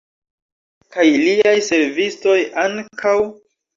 Kaj liaj servistoj ankaŭ?